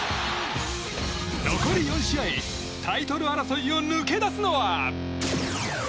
残り４試合タイトル争いを抜け出すのは？